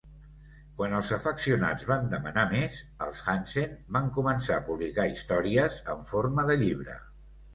Quan els afeccionats van demanar més, els Hansen van començar a publicar històries en forma de llibre.